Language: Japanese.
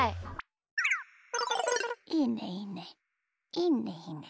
いいねいいね。